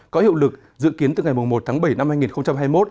có hiệu lực dự kiến từ ngày một tháng bảy năm hai nghìn hai mươi một